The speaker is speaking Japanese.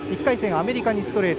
アメリカにストレート。